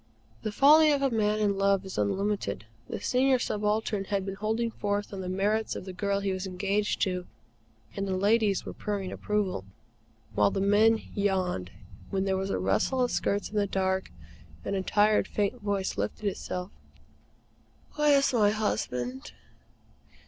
The folly of a man in love is unlimited. The Senior Subaltern had been holding forth on the merits of the girl he was engaged to, and the ladies were purring approval, while the men yawned, when there was a rustle of skirts in the dark, and a tired, faint voice lifted itself: "Where's my husband?"